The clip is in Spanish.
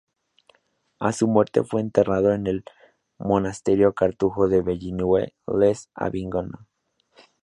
A su muerte fue enterrado en el monasterio cartujo de Villeneuve-les-Avignon.